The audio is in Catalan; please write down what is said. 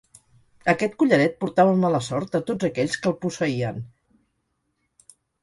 Aquest collaret portava mala sort a tots aquells que el posseïen.